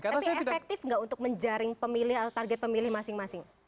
tapi efektif nggak untuk menjaring pemilih atau target pemilih masing masing